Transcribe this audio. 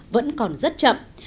vẫn còn rất chậm